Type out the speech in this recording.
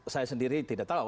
saya sendiri tidak tahu